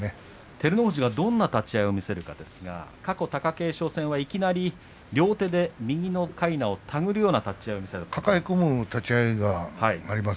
照ノ富士がどんな立ち合いを見せるかですが過去、貴景勝戦はいきなり両手でかいなで抱えるような立ち合いを見せたことがありました。